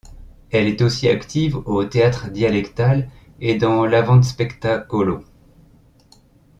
Elle est aussi active au théâtre dialectal et dans l'avanspettacolo.